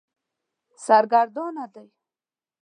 سرګردانه دی.